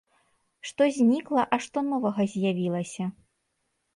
Што знікла, а што новага з'явілася?